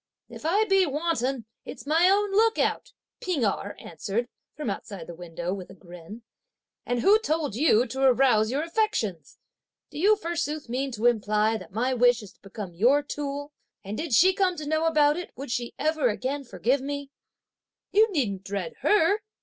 "If I be wanton, it's my own look out;" P'ing Erh answered, from outside the window, with a grin, "and who told you to arouse your affections? Do you forsooth mean to imply that my wish is to become your tool? And did she come to know about it would she again ever forgive me?" "You needn't dread her!"